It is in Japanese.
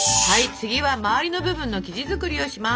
次は周りの部分の生地作りをします。